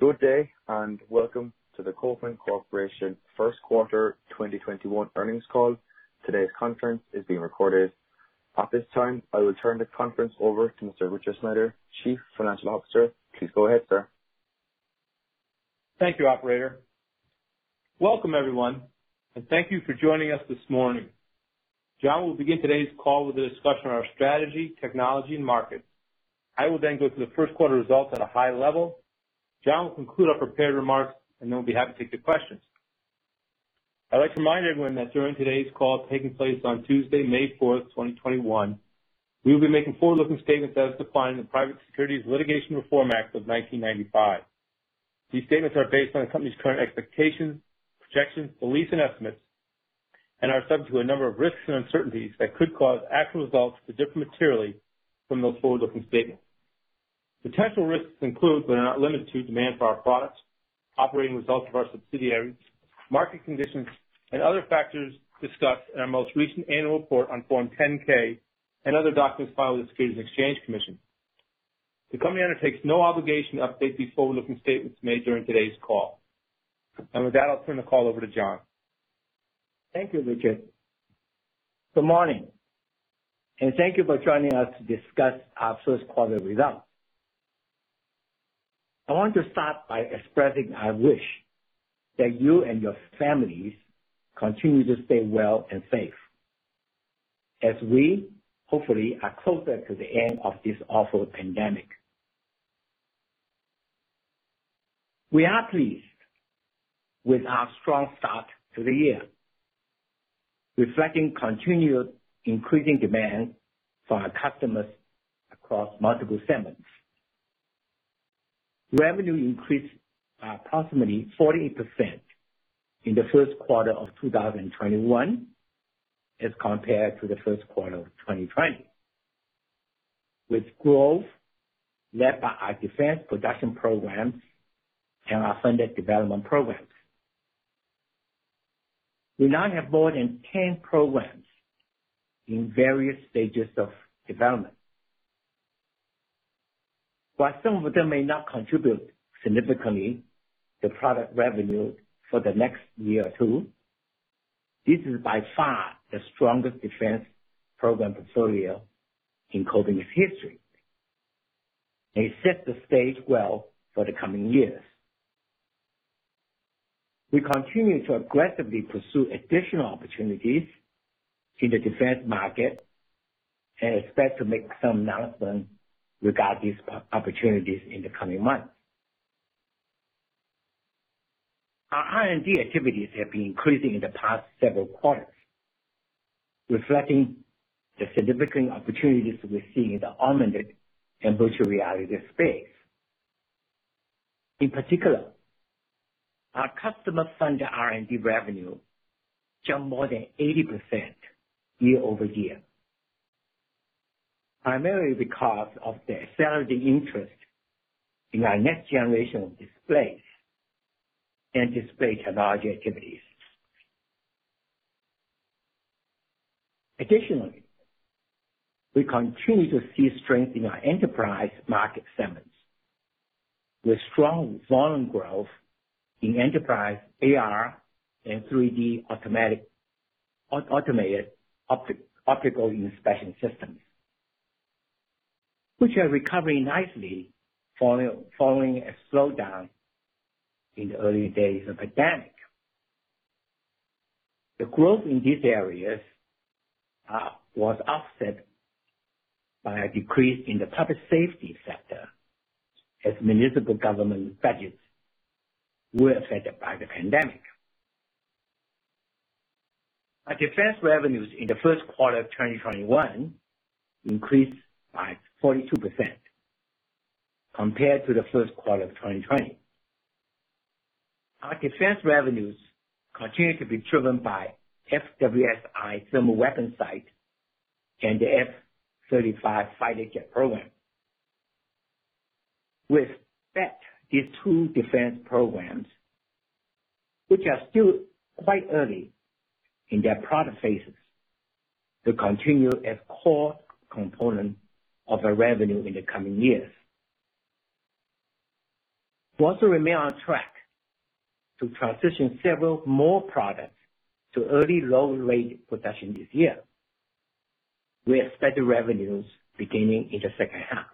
Good day, welcome to the Kopin Corporation first quarter 2021 earnings call. Today's conference is being recorded. At this time, I will turn the conference over to Mr. Richard Sneider, Chief Financial Officer. Please go ahead, sir. Thank you, operator. Welcome everyone. Thank you for joining us this morning. John will begin today's call with a discussion on our strategy, technology, and market. I will go through the first quarter results at a high level. John will conclude our prepared remarks and we'll be happy to take the questions. I'd like to remind everyone that during today's call taking place on Tuesday, May 4th, 2021, we will be making forward-looking statements as defined in the Private Securities Litigation Reform Act of 1995. These statements are based on the company's current expectations, projections, beliefs, and estimates, and are subject to a number of risks and uncertainties that could cause actual results to differ materially from those forward-looking statements. Potential risks include, but are not limited to, demand for our products, operating results of our subsidiaries, market conditions, and other factors discussed in our most recent annual report on Form 10-K and other documents filed with the Securities and Exchange Commission. The company undertakes no obligation to update these forward-looking statements made during today's call. With that, I'll turn the call over to John. Thank you, Richard. Good morning, and thank you for joining us to discuss our first quarter results. I want to start by expressing our wish that you and your families continue to stay well and safe as we hopefully are closer to the end of this awful pandemic. We are pleased with our strong start to the year, reflecting continued increasing demand from our customers across multiple segments. Revenue increased by approximately 40% in the first quarter of 2021 as compared to the first quarter of 2020, with growth led by our Defense production programs and our funded development programs. We now have more than 10 programs in various stages of development. While some of them may not contribute significantly to product revenue for the next year or two, this is by far the strongest Defense program portfolio in Kopin's history, and it sets the stage well for the coming years. We continue to aggressively pursue additional opportunities in the Defense market and expect to make some announcements regarding these opportunities in the coming months. Our R&D activities have been increasing in the past several quarters, reflecting the significant opportunities we're seeing in the augmented and virtual reality space. In particular, our customer-funded R&D revenue jumped more than 80% year-over-year, primarily because of the accelerating interest in our next-generation of displays and display technology activities. Additionally, we continue to see strength in our Enterprise market segments, with strong volume growth in Enterprise AR and 3D automated optical inspection systems, which are recovering nicely following a slowdown in the early days of the pandemic. The growth in these areas was offset by a decrease in the public safety sector as municipal government budgets were affected by the pandemic. Our Defense revenues in the first quarter of 2021 increased by 42% compared to the first quarter of 2020. Our Defense revenues continue to be driven by FWS-I thermal weapon sight and the F-35 fighter jet program. We expect these two Defense programs, which are still quite early in their product phases, to continue as core components of our revenue in the coming years. We also remain on track to transition several more products to early low-rate production this year. We expect the revenues beginning in the second half.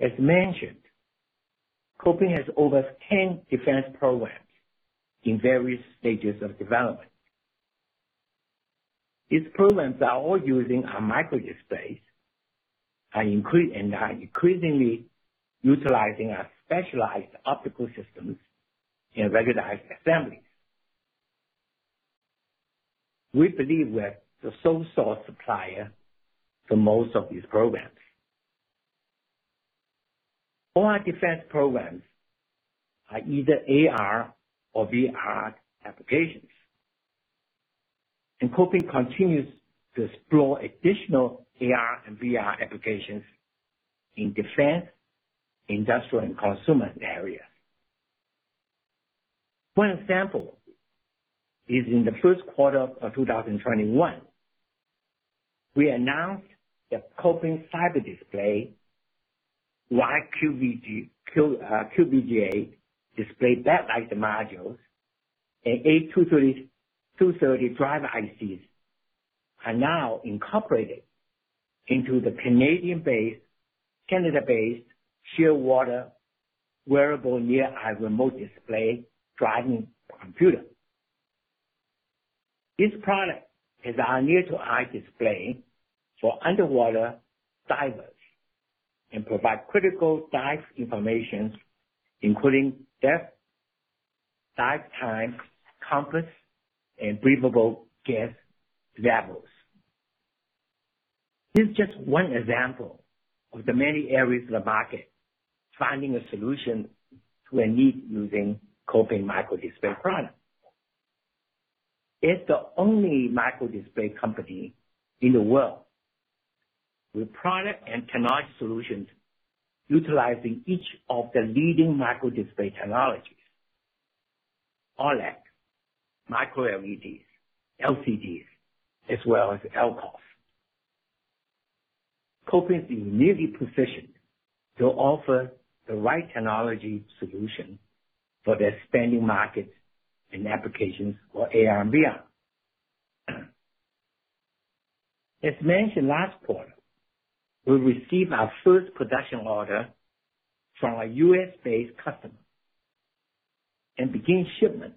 As mentioned, Kopin has over 10 Defense programs in various stages of development. These programs are all using our microdisplays and are increasingly utilizing our specialized optical systems in ruggedized assemblies. We believe we're the sole source supplier for most of these programs. All our Defense programs are either AR or VR applications, and Kopin continues to explore additional AR and VR applications in Defense, Industrial, and Consumer areas. One example is in the first quarter of 2021. We announced that Kopin CyberDisplay WQVGA, QVGA display backlight modules, and A230 driver ICs are now incorporated into the Canada-based Shearwater wearable near-eye remote display diving computer. This product is our near to eye display for underwater divers and provide critical dive information, including depth, dive time, compass, and breathable gas levels. This is just one example of the many areas of the market finding a solution to a need using Kopin microdisplay product. It's the only microdisplay company in the world with product and technology solutions utilizing each of the leading microdisplay technologies: OLED, microLEDs, LCDs, as well as LCOS. Kopin is uniquely-positioned to offer the right technology solution for the expanding markets and applications for AR and VR. As mentioned last quarter, we received our first production order from a U.S.-based customer and began shipment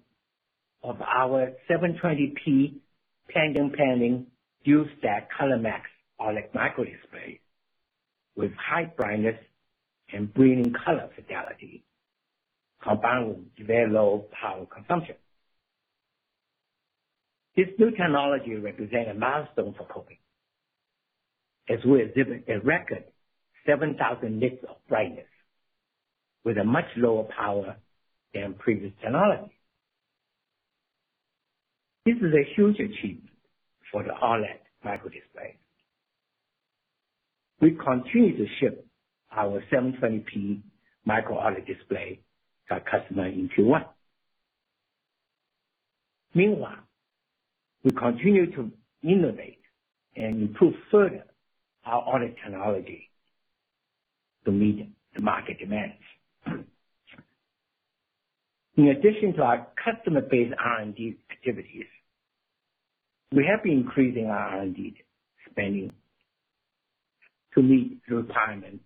of our 720p tandem panning view stack ColorMax all OLED microdisplay with high brightness and brilliant color fidelity, combined with very low power consumption. This new technology represents a milestone for Kopin, as we exhibit a record 7,000 nits of brightness with a much lower power than previous technology. This is a huge achievement for the OLED microdisplay. We continue to ship our 720p micro OLED display to our customer in Q1. Meanwhile, we continue to innovate and improve further our OLED technology to meet the market demands. In addition to our customer-based R&D activities, we have been increasing our R&D spending to meet the requirements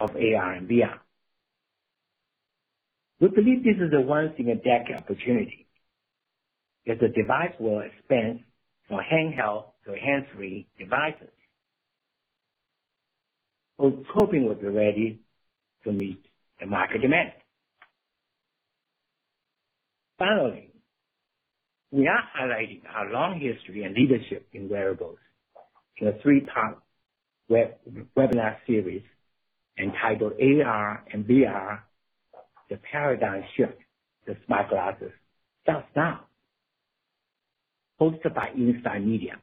of AR and VR. We believe this is a once in a decade opportunity, as the device will expand from handheld to hands-free devices. Kopin will be ready to meet the market demand. Finally, we are highlighting our long history and leadership in wearables in a three-part webinar series entitled AR and VR: The Paradigm Shift to Smart Glasses Starts Now, hosted by Insight Media.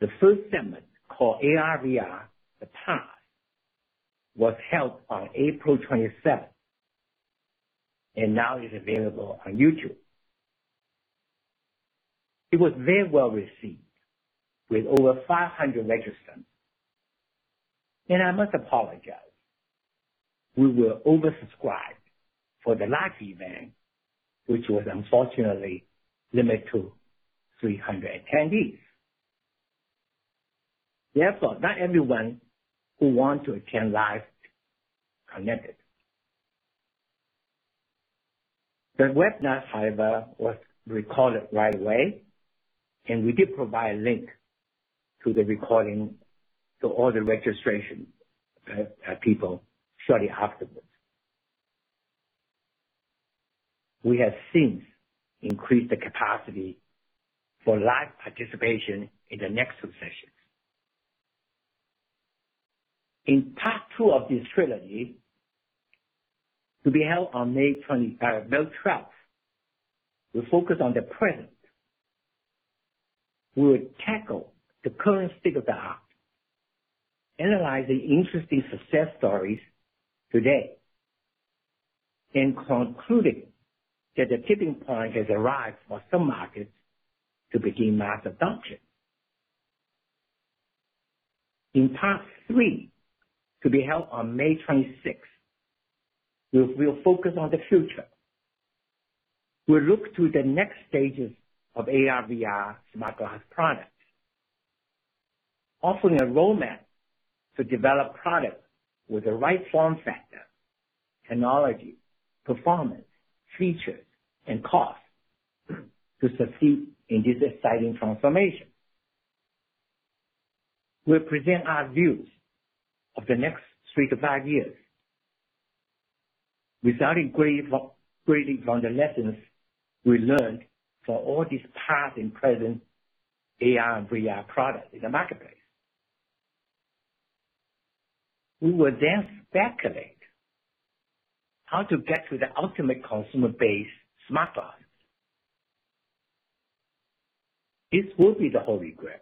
The first segment, called AR/VR: The Past, was held on April 27th, and now is available on YouTube. It was very well received, with over 500 registrants and I must apologize, we were oversubscribed for the live event, which was unfortunately limited to 300 attendees. Not everyone who want to attend live connected. The webinar, however, was recorded right away, and we did provide a link to the recording to all the registration, people shortly afterwards. We have since increased the capacity for live participation in the next two sessions. In part two of this trilogy, to be held on May 12th, we'll focus on the present. We will tackle the current state of the art, analyzing interesting success stories today and concluding that the tipping point has arrived for some markets to begin mass adoption. In part three, to be held on May 26th, we'll focus on the future. We'll look to the next stages of AR/VR smartglass products, offering a roadmap to develop products with the right form factor, technology, performance, features, and cost to succeed in this exciting transformation. We'll present our views of the next three to five years without grading from the lessons we learned from all these past and present AR and VR products in the marketplace. We will then speculate how to get to the ultimate Consumer-based smartglass. This will be the Holy Grail.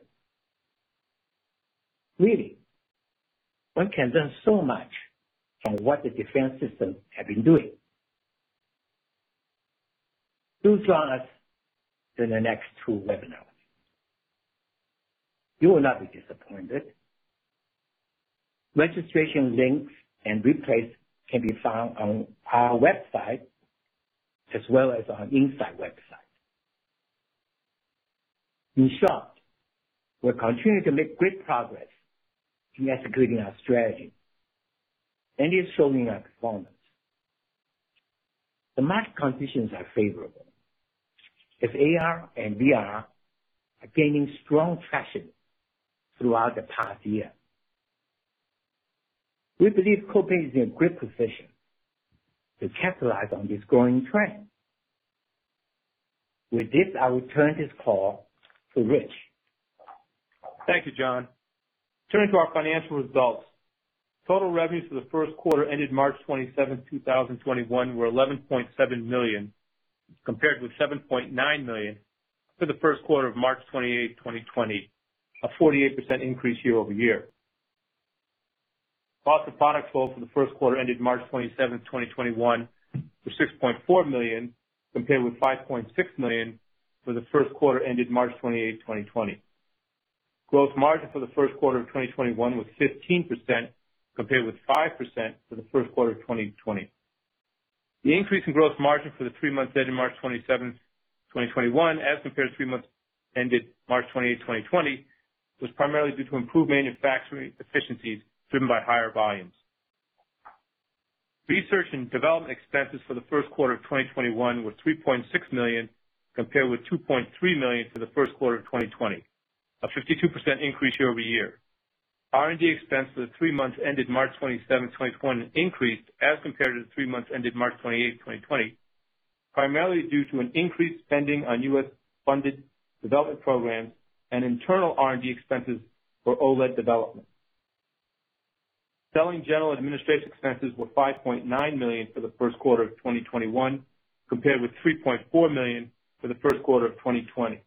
Really, one can learn so much from what the Defense system have been doing. Do join us in the next two webinars. You will not be disappointed. Registration links and replays can be found on our website, as well as on Insight website. In short, we're continuing to make great progress in executing our strategy, and it's showing in our performance. The market conditions are favorable, as AR and VR are gaining strong traction throughout the past year. We believe Kopin is in great position to capitalize on this growing trend. With this, I will turn this call to Rich. Thank you, John. Turning to our financial results. Total revenues for the first quarter ended March 27th, 2021 were $11.7 million, compared with $7.9 million for the first quarter of March 28th, 2020, a 48% increase year-over-year. Cost of products sold for the first quarter ended March 27th, 2021, were $6.4 million, compared with $5.6 million for the first quarter ended March 28th, 2020. Gross margin for the first quarter of 2021 was 15%, compared with 5% for the first quarter of 2020. The increase in gross margin for the three months ending March 27th, 2021, as compared to three months ended March 28th, 2020, was primarily due to improved manufacturing efficiencies driven by higher volumes. Research and development expenses for the first quarter of 2021 were $3.6 million, compared with $2.3 million for the first quarter of 2020. A 52% increase year-over-year. R&D expense for the three months ended March 27th, 2021, increased as compared to the three months ended March 28th, 2020, primarily due to an increased spending on U.S.-funded development programs and internal R&D expenses for OLED development. Selling, general, and administration expenses were $5.9 million for the first quarter of 2021, compared with $3.4 million for the first quarter of 2020.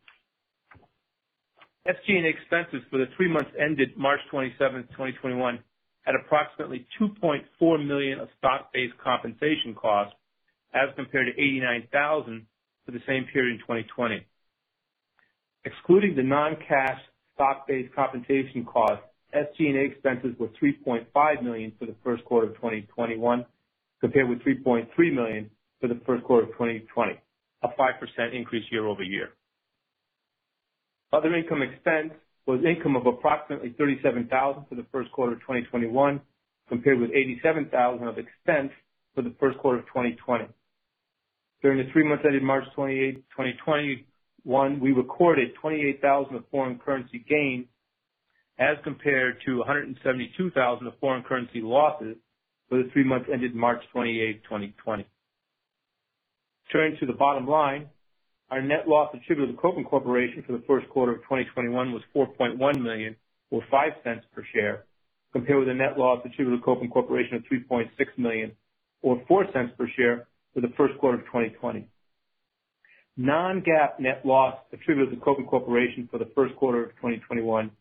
SG&A expenses for the three months ended March 27th, 2021, had approximately $2.4 million of stock-based compensation costs as compared to $89,000 for the same period in 2020. Excluding the non-cash stock-based compensation cost, SG&A expenses were $3.5 million for the first quarter of 2021, compared with $3.3 million for the first quarter of 2020. A 5% increase year-over-year. Other income expense was income of approximately $37,000 for the first quarter of 2021, compared with $87,000 of expense for the first quarter of 2020. During the three months ending March 28th, 2021, we recorded $28,000 of foreign currency gains, as compared to $172,000 of foreign currency losses for the three months ended March 28th, 2020. Turning to the bottom line, our net loss attributable to Kopin Corporation for the first quarter of 2021 was $4.1 million or $0.05 per share, compared with a net loss attributable to Kopin Corporation of $3.6 million or $0.04 per share for the first quarter of 2020. Non-GAAP net loss attributable to Kopin Corporation for the first quarter of 2021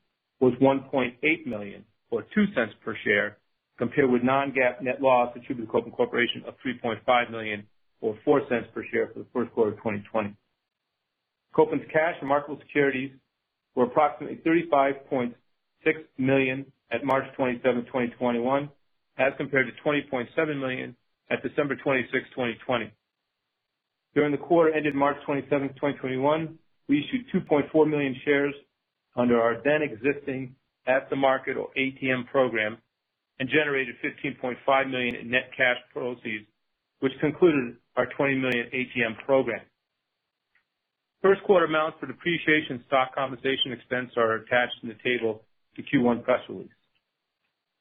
was $1.8 million or $0.02 per share, compared with non-GAAP net loss attributable to Kopin Corporation of $3.5 million or $0.04 per share for the first quarter of 2020. Kopin's cash and marketable securities were approximately $35.6 million at March 27th, 2021, as compared to $20.7 million at December 26, 2020. During the quarter ending March 27th, 2021, we issued 2.4 million shares under our then existing at the market or ATM program and generated $15.5 million in net cash proceeds, which concluded our $20 million ATM program. First quarter amounts for depreciation stock compensation expense are attached in the table to Q1 press release.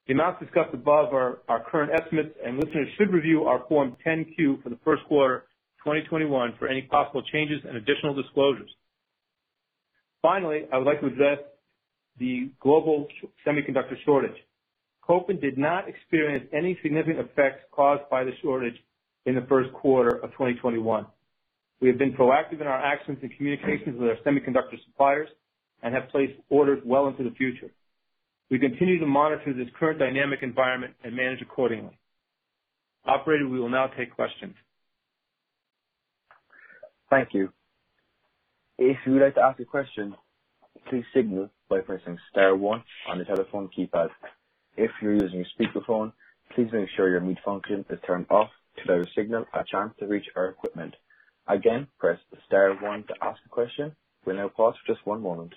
The amounts discussed above are our current estimates. Listeners should review our Form 10-Q for the first quarter 2021 for any possible changes and additional disclosures. Finally, I would like to address the global semiconductor shortage. Kopin did not experience any significant effects caused by the shortage in the first quarter of 2021. We have been proactive in our actions and communications with our semiconductor suppliers and have placed orders well into the future. We continue to monitor this current dynamic environment and manage accordingly. Operator, we will now take questions. Thank you. If you would like to ask a question, please signal by pressing star one on the telepone keypad. If you're using a speaker phone, please make sure your mute function is turned off to allow signal to reach our equipment. Again, press star one to ask a question. We'll now pause just one moment.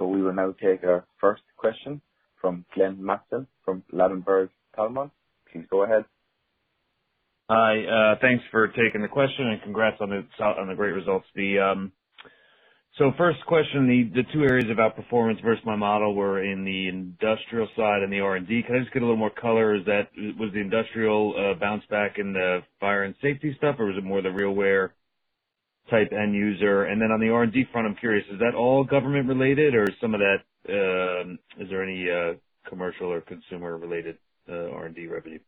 We will now take our first question from Glenn Mattson from Ladenburg Thalmann. Please go ahead. Hi. Thanks for taking the question, and congrats on the great results. First question, the two areas of outperformance versus my model were in the Industrial side and the R&D. Can I just get a little more color? Was the Industrial bounce back in the fire and safety stuff, or was it more the RealWear type end user? On the R&D front, I'm curious, is that all government-related or is there any commercial or Consumer related R&D revenue?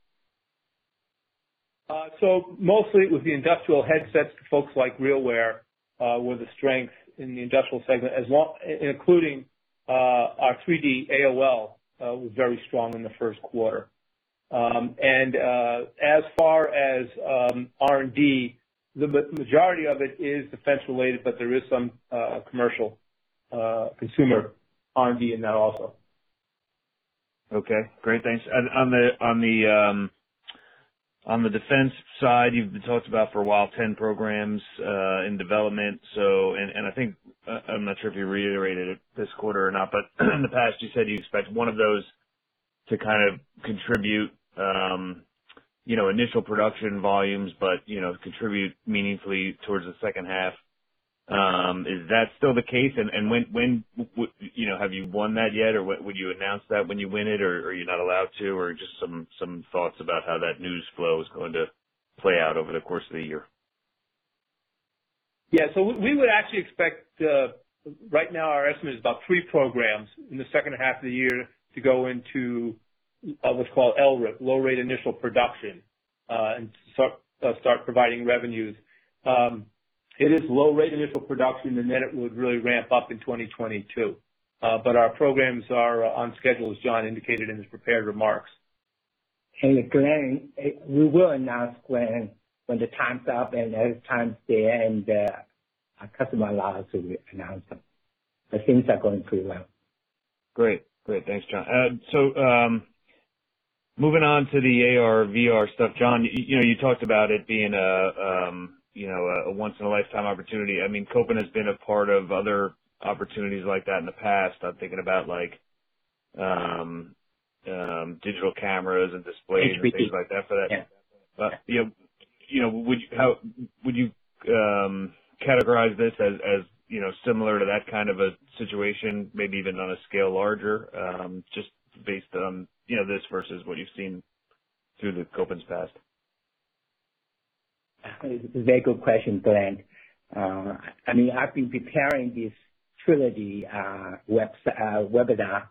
Mostly with the Industrial headsets, folks like RealWear were the strength in the Industrial segment, including our 3D AOI was very strong in the first quarter. As far as R&D, the majority of it is Defense related, but there is some commercial Consumer R&D in that also. Okay. Great. Thanks. On the Defense side, you've talked about for a while, 10 programs in development. I'm not sure if you reiterated it this quarter or not. In the past, you said you expect one of those to kind of contribute initial production volumes, but contribute meaningfully towards the second half. Is that still the case? Have you won that yet? Would you announce that when you win it, or are you not allowed to? Just some thoughts about how that news flow is going to play out over the course of the year. Yeah. We would actually expect, right now our estimate is about three programs in the second half of the year to go into what's called LRIP, low rate initial production, and start providing revenues. It is low rate initial production, then it would really ramp up in 2022. Our programs are on schedule, as John indicated in his prepared remarks. Glenn, we will announce when the time's up and as time's there and our customer allows us to announce them. Things are going pretty well. Great. Thanks, John. Moving on to the AR/VR stuff, John, you talked about it being a once in a lifetime opportunity. Kopin has been a part of other opportunities like that in the past. I'm thinking about digital cameras and displays- HBT. ...things like that. Yeah. Would you categorize this as similar to that kind of a situation, maybe even on a scale larger, just based on this versus what you've seen through Kopin's past? Very good question, Glenn. I've been preparing this trilogy webinar,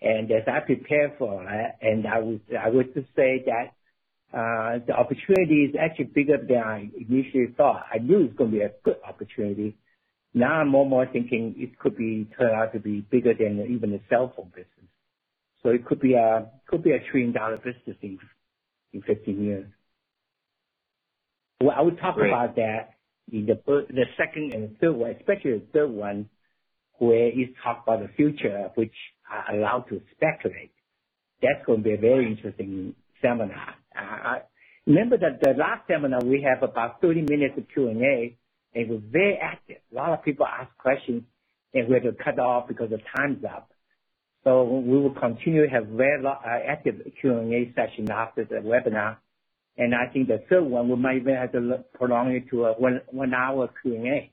and as I prepared for that, and I would just say that the opportunity is actually bigger than I initially thought. I knew it was going to be a good opportunity. Now I'm more thinking it could turn out to be bigger than even the cell phone business. It could be a trillion-dollar business in 15 years. I will talk about that in the second and third one, especially the third one, where it talk about the future, which I allow to speculate. That's going to be a very interesting seminar. Remember that the last seminar, we have about 30 minutes of Q&A. It was very active. A lot of people asked questions. We had to cut off because the time's up. We will continue to have very active Q&A session after the webinar, and I think the third one, we might even have to prolong it to a one-hour Q&A.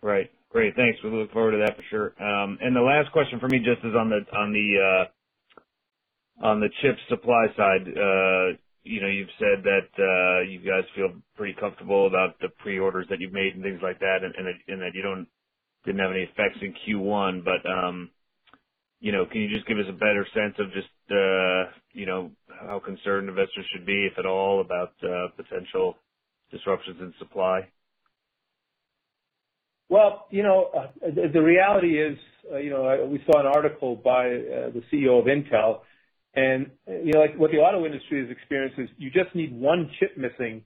Great. Thanks. We look forward to that for sure. The last question from me just is on the chip supply side. You've said that you guys feel pretty comfortable about the pre-orders that you've made and things like that, and that you didn't have any effects in Q1. Can you just give us a better sense of just how concerned investors should be, if at all, about potential disruptions in supply? Well, the reality is, we saw an article by the CEO of Intel, and what the auto industry has experienced is you just need one chip missing,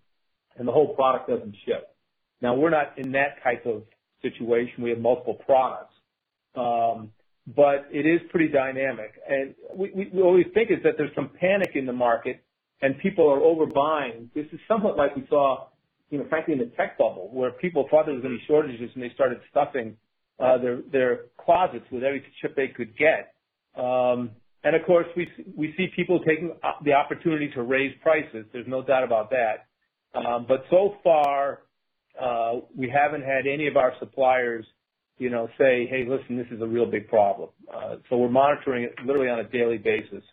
and the whole product doesn't ship. Now, we're not in that type of situation. We have multiple products. It is pretty dynamic. What we think is that there's some panic in the market, and people are overbuying. This is somewhat like we saw, frankly, in the tech bubble, where people thought there was going to be shortages, and they started stuffing their closets with every chip they could get. Of course, we see people taking the opportunity to raise prices. There's no doubt about that. So far, we haven't had any of our suppliers say, "Hey, listen, this is a real big problem." We're monitoring it literally on a daily basis,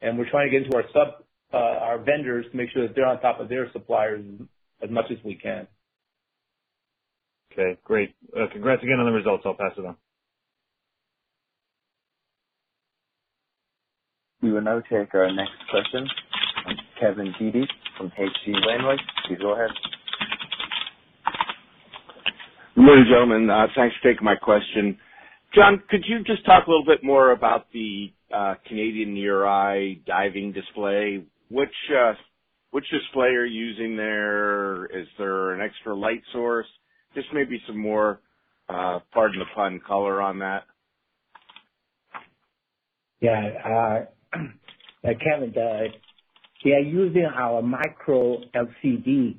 and we're trying to get into our vendors to make sure that they're on top of their suppliers as much as we can. Okay, great. Congrats again on the results. I'll pass it on. We will now take our next question from Kevin Dede from H.C. Wainwright. Please go ahead. Good day, gentlemen. Thanks for taking my question. John, could you just talk a little bit more about the Canadian near-eye diving display? Which display are you using there? Is there an extra light source? Just maybe some more, pardon the pun, color on that. Kevin, they are using our micro-LCD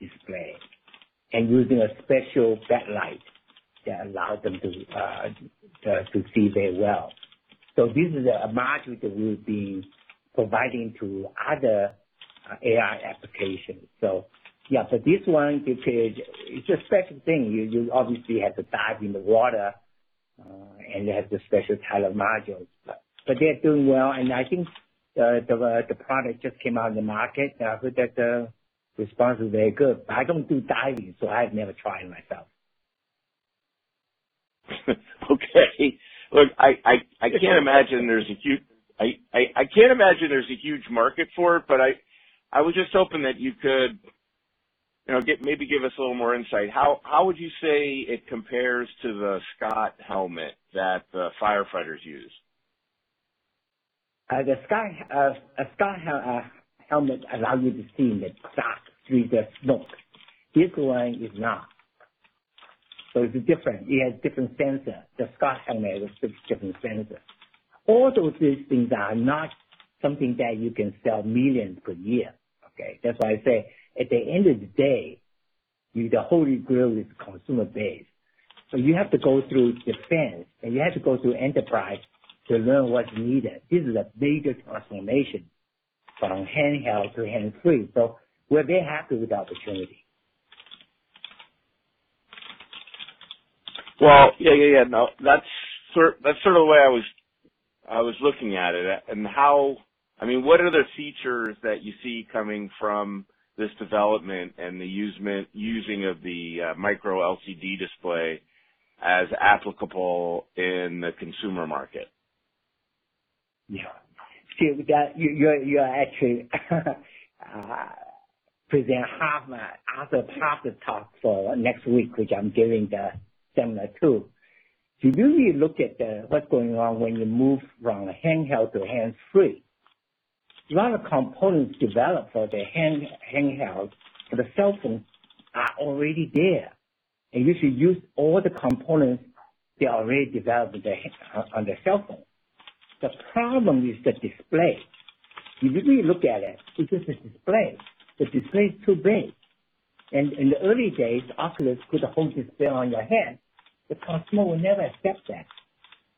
display and using a special backlight that allows them to see very well. This is a module that we'll be providing to other AR applications. For this one, it's a special thing. You obviously have to dive in the water. They have the special type of modules. They're doing well, and I think the product just came out in the market. I heard that the response was very good. I don't do diving, so I've never tried myself. Okay. Look, I can't imagine there's a huge market for it, but I was just hoping that you could maybe give us a little more insight. How would you say it compares to the Scott helmet that the firefighters use? The Scott helmet allows you to see in the dark, through the smoke. This one is not. It's different. It has different sensor. The Scott helmet has a different sensor. All those things are not something that you can sell millions per year. Okay. That's why I say, at the end of the day, the Holy Grail is Consumer base. You have to go through Defense, and you have to go through Enterprise to learn what's needed. This is a major transformation from handheld to hands-free. We're very happy with the opportunity. Well, yeah. No, that's sort of the way I was looking at it. What are the features that you see coming from this development and the using of the micro-LCD display as applicable in the Consumer market? Yeah. Steve, you are actually presenting half the talk for next week, which I'm giving the seminar, too. If you really look at what's going on when you move from handheld to hands-free, a lot of components developed for the handheld, for the cell phones, are already there, and you should use all the components that are already developed on the cell phone. The problem is the display. If you really look at it's just the display. The display is too big. In the early days, Oculus put the whole display on your head. The Consumer would never accept that.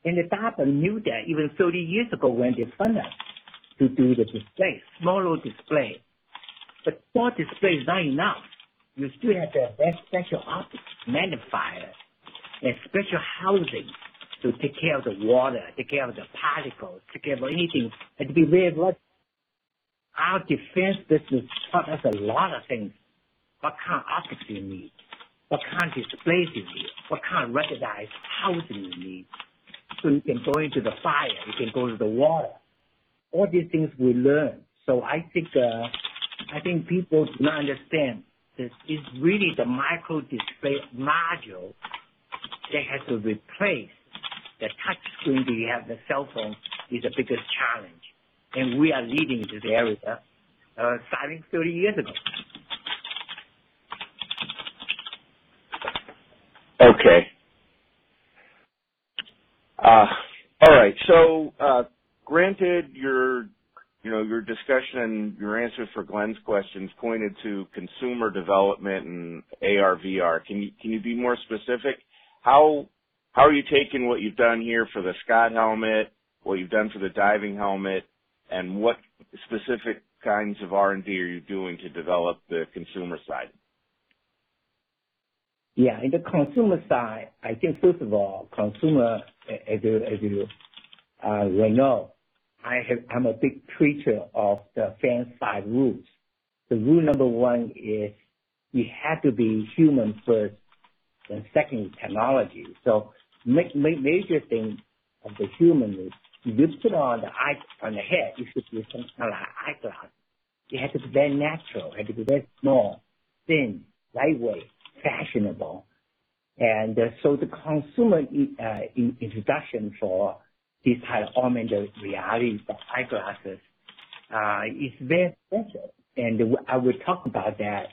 The DARPA knew that even 30 years ago when they funded to do the display, smaller display. Small display is not enough. You still have to have that special optics magnifier and special housing to take care of the water, take care of the particles, take care of anything. Beware what our Defense business taught us a lot of things. What kind of optics you need, what kind of displays you need, what kind of ruggedized housing you need, so you can go into the fire, you can go to the water. All these things we learned. I think people do not understand that it's really the microdisplay module that has to replace the touch screen that you have, the cell phone, is the biggest challenge. We are leading this area, starting 30 years ago. Okay. All right. Granted your discussion, your answers for Glenn's questions pointed to Consumer development and AR/VR. Can you be more specific? How are you taking what you've done here for the Scott helmet, what you've done for the diving helmet, and what specific kinds of R&D are you doing to develop the Consumer side? In the Consumer side, I think first of all, Consumer, as you well know, I'm a big preacher of the Fab 5 rules. Rule number one is you have to be human first, and second is technology. Major thing of the human is you put on the head, it should be some kind of like eyeglasses. It has to be very natural, it has to be very small, thin, lightweight, fashionable. The Consumer introduction for this kind of augmented reality eyeglasses is very special. I will talk about that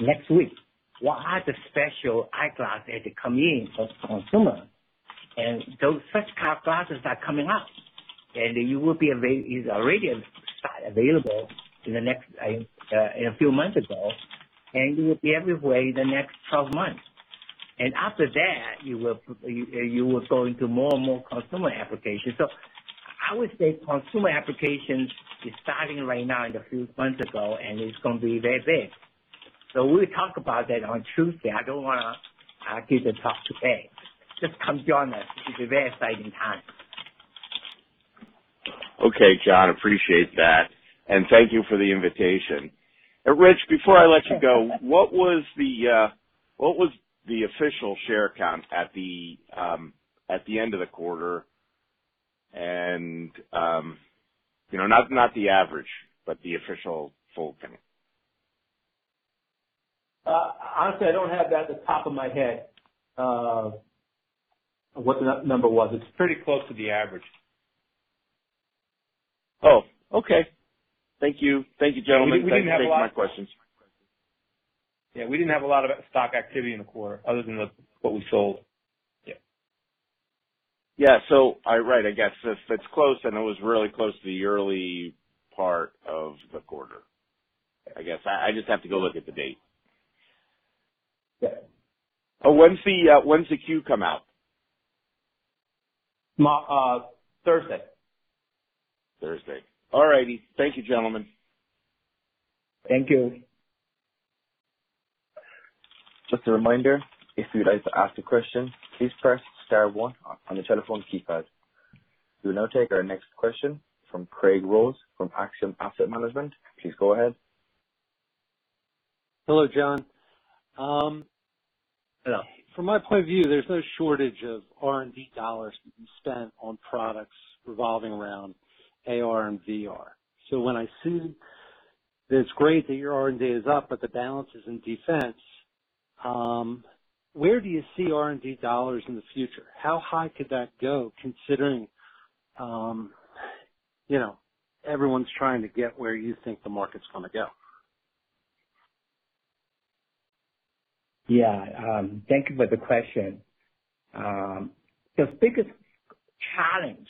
next week. What are the special eyeglasses that come in for the Consumer? Those first kind of glasses are coming out, and it's already available a few months ago. It will be everywhere the next 12 months. After that, you will go into more and more Consumer applications. I would say Consumer applications is starting right now in a few months ago, and it's going to be very big. We'll talk about that on Tuesday. I don't want to give the talk today. Just come join us. It will be a very exciting time. Okay, John, appreciate that. Rich, before I let you go, what was the official share count at the end of the quarter? Not the average, but the official full count. Honestly, I don't have that at the top of my head, what the number was. It's pretty close to the average. Oh, okay. Thank you. Thank you, gentlemen. Thank you for taking my questions. Yeah, we didn't have a lot of stock activity in the quarter other than what we sold. Yeah. Yeah, right, I guess if it's close, then it was really close to the yearly part of the quarter. I guess. I just have to go look at the date. Yeah. When does the Q come out? Thursday. Thursday. All righty. Thank you, gentlemen. Thank you. Just a reminder, if you'd like to ask a question, please press star one on your telephone keypad. We will now take our next question from Craig Rose from Axiom Asset Management. Please go ahead. Hello, John. From my point of view, there's no shortage of R&D dollars being spent on products revolving around AR and VR. When I see that it's great that your R&D is up, but the balance is in Defense, where do you see R&D dollars in the future? How high could that go, considering everyone's trying to get where you think the market's going to go? Yeah. Thank you for the question. The biggest challenge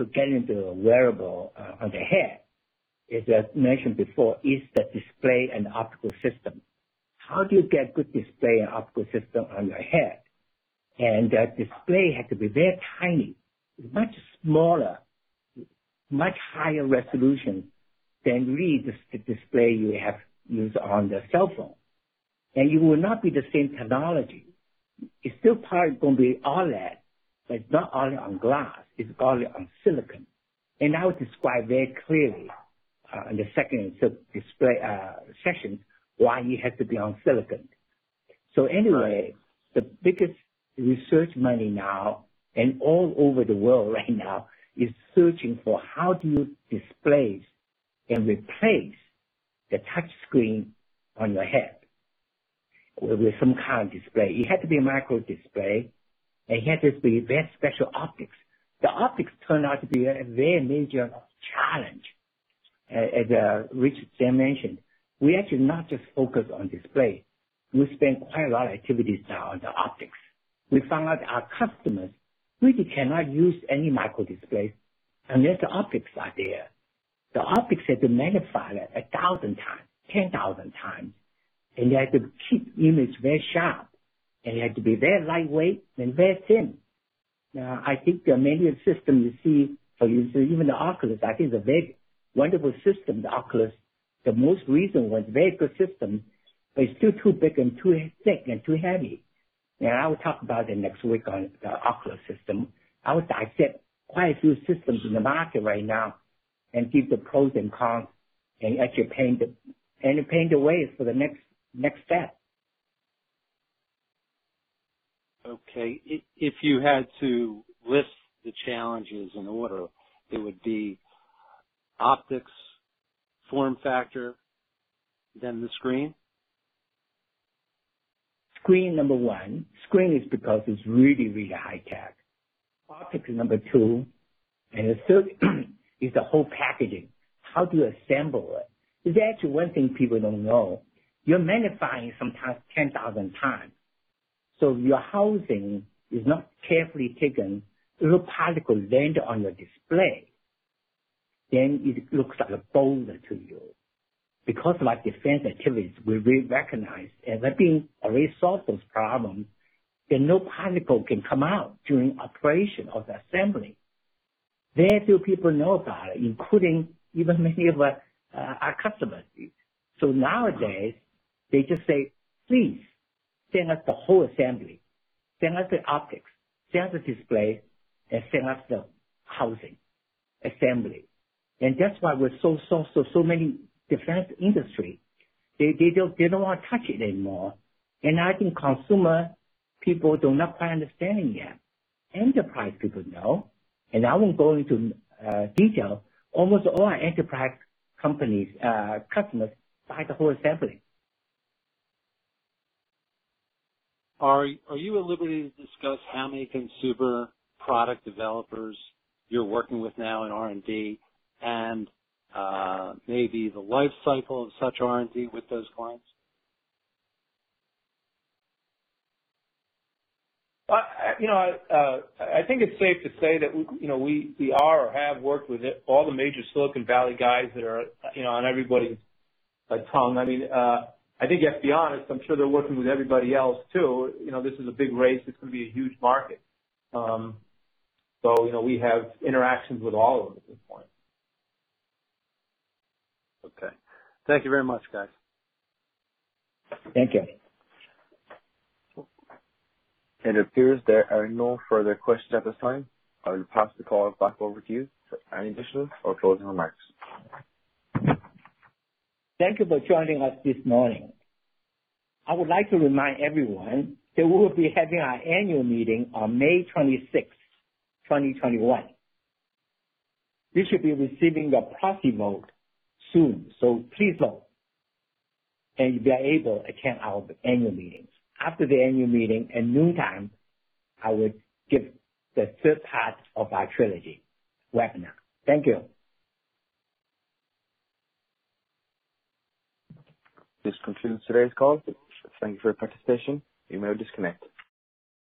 to getting the wearable on the head, as mentioned before, is the display and optical system. How do you get good display and optical system on your head? That display has to be very tiny, much smaller, much higher resolution than really the display you have used on the cell phone. It will not be the same technology. It's still probably going to be OLED, but it's not only on glass, it's OLED on silicon. I will describe very clearly in the second display session why it has to be on silicon. Anyway, the biggest research money now and all over the world right now is searching for how do you display and replace the touch screen on your head with some kind of display. It had to be a microdisplay, and it had to be very special optics. The optics turned out to be a very major challenge. As Richard then mentioned, we actually not just focus on display. We spend quite a lot of activities now on the optics. We found out our customers really cannot use any microdisplays unless the optics are there. The optics had to magnify that 1,000 times, 10,000 times, and they had to keep image very sharp, and they had to be very lightweight and very thin. I think there are many systems you see for use, even the Oculus, I think it's a very wonderful system, the Oculus. The most recent one is a very good system, but it's still too big and too thick and too heavy. I will talk about that next week on the Oculus system. I would dissect quite a few systems in the market right now and give the pros and cons and actually paint the ways for the next step. Okay. If you had to list the challenges in order, it would be optics, form factor, then the screen? Screen, number one. Screen is because it's really, really high tech. Optics is number two. The third is the whole packaging. How do you assemble it? There's actually one thing people don't know. You're magnifying sometimes 10,000 times. If your housing is not carefully taken, a little particle land on your display, then it looks like a boulder to you. Because of our Defense activities, we recognize and have been already solved those problems. No particle can come out during operation of the assembly. Very few people know about it, including even many of our customers. Nowadays they just say, "Please, send us the whole assembly." Send us the optics, send the display. Send us the housing assembly. That's why with so many Defense industry, they don't want to touch it anymore. I think Consumer people do not quite understand it yet. Enterprise people know. I won't go into detail. Almost all our Enterprise customers buy the whole assembly. Are you at liberty to discuss how many Consumer product developers you're working with now in R&D and maybe the life cycle of such R&D with those clients? I think it's safe to say that we are or have worked with all the major Silicon Valley guys that are on everybody's tongue. I think let's be honest, I'm sure they're working with everybody else, too. This is a big race. It's going to be a huge market. We have interactions with all of them at this point. Okay. Thank you very much, guys. Thank you. It appears there are no further questions at this time. I will pass the call back over to you for any additional or closing remarks. Thank you for joining us this morning. I would like to remind everyone that we will be having our annual meeting on May 26th, 2021. You should be receiving your proxy vote soon, so please vote, and you'll be able to attend our annual meeting. After the annual meeting at noontime, I will give the third part of our trilogy webinar. Thank you. This concludes today's call. Thank you for your participation. You may disconnect.